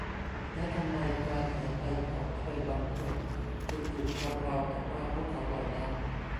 และทำไมการหายไปของใครบางคนจึงถูกทำราวกับว่าพวกเขาเหล่านั้น